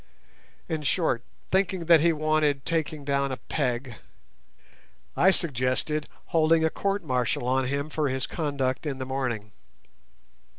In short, thinking that he wanted taking down a peg, I suggested holding a court martial on him for his conduct in the morning.